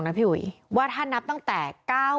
ชั่วโมงนะพี่อุย